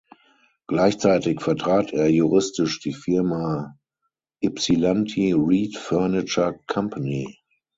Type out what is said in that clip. Gleichzeitig vertrat er juristisch die Firma "Ypsilanti Reed Furniture Company.